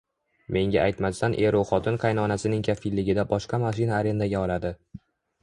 Menga aytmasdan eru xotin qaynonasining kafilligida boshqa mashina arendaga oladi